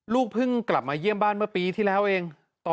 เพิ่งกลับมาเยี่ยมบ้านเมื่อปีที่แล้วเอง